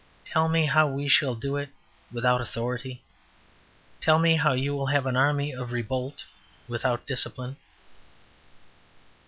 Tell me how we shall do it without authority? Tell me how you will have an army of revolt without discipline?"